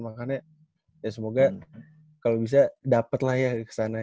makanya ya semoga kalo bisa dapet lah ya kesana ya